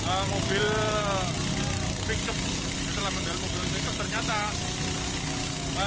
setelah mendari mobil pick up ternyata